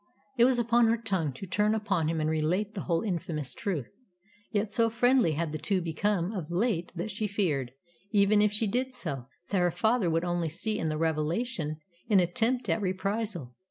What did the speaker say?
It was upon her tongue to turn upon him and relate the whole infamous truth. Yet so friendly had the two men become of late that she feared, even if she did so, that her father would only see in the revelation an attempt at reprisal.